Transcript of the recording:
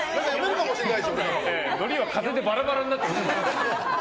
のりは風でバラバラになりますから。